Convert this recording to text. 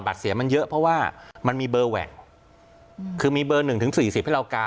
เสียมันเยอะเพราะว่ามันมีเบอร์แหวกคือมีเบอร์หนึ่งถึงสี่สิบให้เรากา